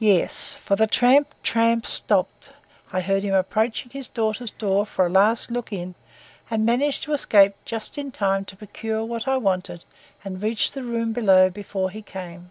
Yes, for the tramp, tramp stopped; I heard him approaching his daughter's door for a last look in and managed to escape just in time to procure what I wanted and reach the room below before he came.